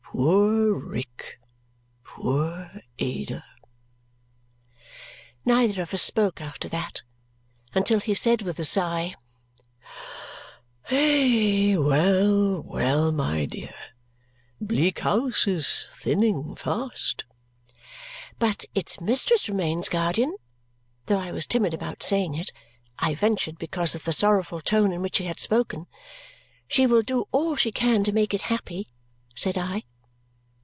Poor Rick! Poor Ada!" Neither of us spoke after that, until he said with a sigh, "Well, well, my dear! Bleak House is thinning fast." "But its mistress remains, guardian." Though I was timid about saying it, I ventured because of the sorrowful tone in which he had spoken. "She will do all she can to make it happy," said I.